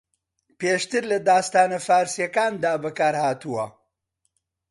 پێشتر لە داستانە فارسییەکاندا بەکارھاتوە